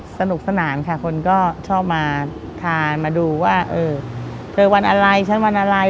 สนุกสนานค่ะคนก็ชอบมาทานมาดูว่าเออเจอวันอะไรฉันวันอะไร